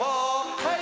はい！